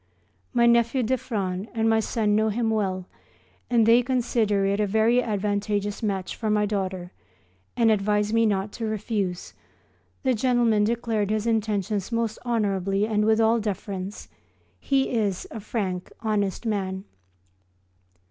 My nephew d'Effran and my son know him well, and they consider it a very advantageous match for my daughter and advise me not to refuse. The gentleman declared his intentions most honourably and with all deference. He is a frank, honest man.